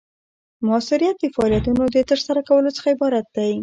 مؤثریت د فعالیتونو د ترسره کولو څخه عبارت دی.